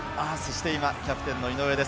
今キャプテンの井上です。